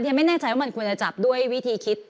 ไม่แน่ใจว่ามันควรจะจับด้วยวิธีคิด